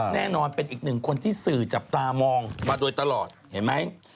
แน่นอนเป็นอีกหนึ่งคนที่สื่อจับตามองมาโดยตลอดเห็นไหม